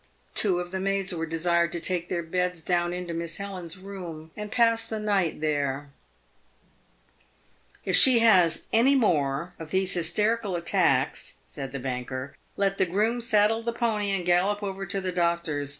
Two of the maids were 2c2 388 PAVED WITH GOLD. desired to take their beds down into Miss Helen's room, and pass the night there. " If she has any more of these hysterical attacks," said the banker, " let the groom saddle the pony, and gallop over to the doctor's.